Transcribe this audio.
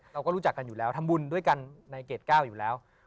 เราก็รู้จักกันอยู่แล้วทำบุญด้วยกันในเกรด๙อยู่แล้ว